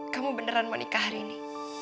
kamu beneran mau nikah hari ini